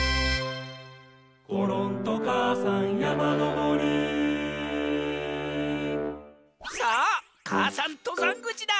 「ころんとかあさんやまのぼり」さあ母山とざんぐちだ。